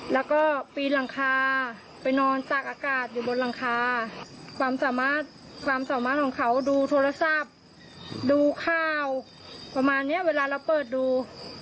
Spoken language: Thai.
แล้วก็ปีนหลังคาไปนอนตากอากาศอยู่บนหลังคาความสามารถความสามารถของเขาดูโทรศัพท์ดูข่าวประมาณนี้เวลาเราเปิดดู